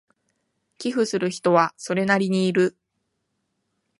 寄付する人はそれなりにいる